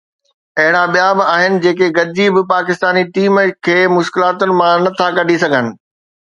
اهڙا ٻيا به آهن جيڪي گڏجي به پاڪستاني ٽيم کي مشڪلاتن مان نه ٿا ڪڍي سگهن.